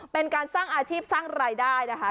เป็นการสร้างอาชีพสร้างรายได้นะคะ